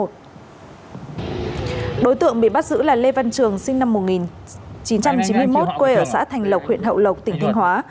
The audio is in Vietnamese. đối tượng bị bắt giữ là lê văn trường sinh năm một nghìn chín trăm chín mươi một quê ở xã thành lộc huyện hậu lộc tỉnh thanh hóa